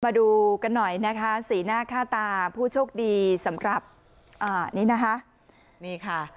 มาดูกันหน่อยนะคะสีหน้าค่าตาผู้โชคดีสำหรับอ่านี่นะคะนี่ค่ะ